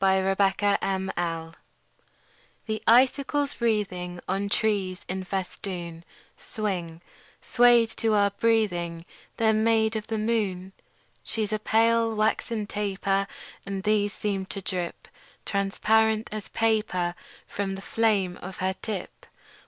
SILVER FILIGREE The icicles wreathing On trees in festoon Swing, swayed to our breathing: They're made of the moon. She's a pale, waxen taper; And these seem to drip Transparent as paper From the flame of her tip.